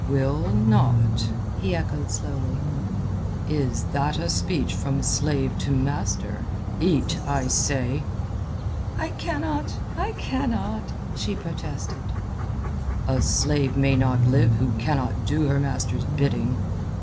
"Will not?" he echoed slowly. "Is that a speech from slave to master? Eat, I say." "I cannot! I cannot!" she protested. "A slave may not live who cannot do her master's bidding."